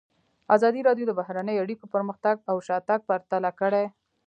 ازادي راډیو د بهرنۍ اړیکې پرمختګ او شاتګ پرتله کړی.